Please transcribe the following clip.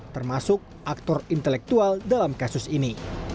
termasuk aktor intelektual dalam kasus ini